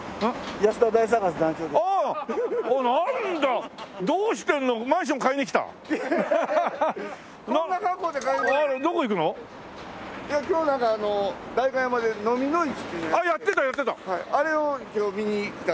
やってたやってた！